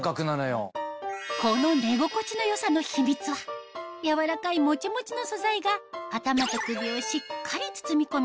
この寝心地の良さの秘密は柔らかいもちもちの素材が頭と首をしっかり包み込み